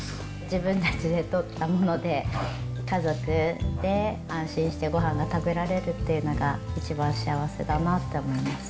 自分たちで取ったもので、家族で安心してごはんが食べられるというのが、一番幸せだなって思います。